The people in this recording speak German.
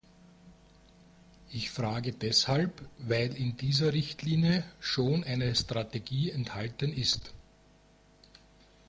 Ich frage deshalb, weil in dieser Richtlinie schon eine Strategie enthalten ist.